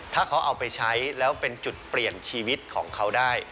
ถ้าเขาเอาไปใช้แล้วเป็นจุดเปลี่ยนชีวิตของเขาได้